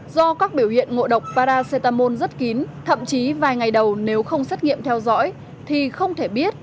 do các biểu hiện ngộ độc paracetamol rất kín thậm chí vài ngày đầu nếu không xét nghiệm theo dõi thì không thể biết